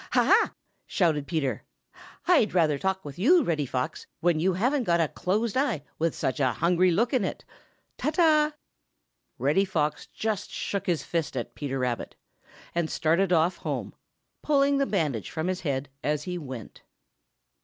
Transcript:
"Ha! ha!" shouted Peter, "I'd rather talk with you, Reddy Fox, when you haven't got a closed eye with such a hungry look in it. Ta, ta!" Reddy Fox just shook his fist at Peter Rabbit, and started off home, pulling the bandage from his head as he went.